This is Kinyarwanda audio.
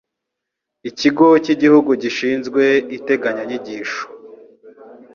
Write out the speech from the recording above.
ikigo cy'igihugu gishinzwe integanyanyigisho